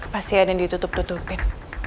pasti ada yang ditutup tutupin